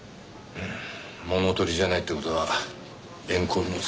うーん物取りじゃないって事は怨恨の線か。